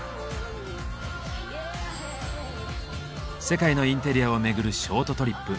世界のインテリアを巡るショートトリップ。